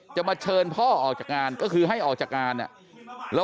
จะมาเชิญพ่อออกจากงานก็คือให้ออกจากงานเนี่ยแล้ว